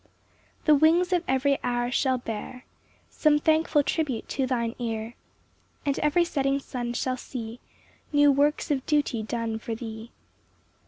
2 The wings of every hour shall bear Some thankful tribute to thine ear; And every setting sun shall see New works of duty done for thee.